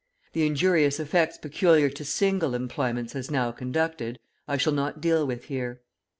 The injurious effects peculiar to single employments as now conducted, I shall not deal with here.